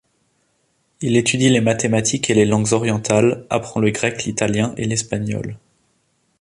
Il étudie les mathématiques et les langues orientales, apprend le grec, l'italien et l'espagnol.